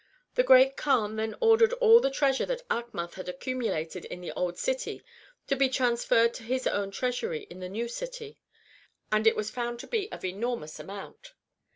The Great Kaan then ordered all the treasure that Achmath had accumulated in the Old City to be transferred to his own treasury in the New City, and it was found to be of enormous amount.